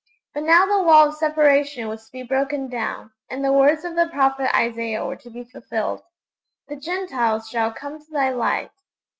But now the wall of separation was to be broken down, and the words of the Prophet Isaiah were to be fulfilled, '_The Gentiles shall come to Thy light.